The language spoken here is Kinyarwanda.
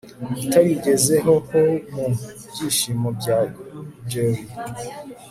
utarigeze ho-ho-ho mu byishimo bya jolly